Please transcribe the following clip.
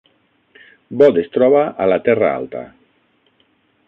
Bot es troba a la Terra Alta